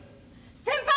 先輩！